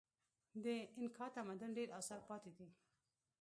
د اینکا تمدن ډېر اثار پاتې دي.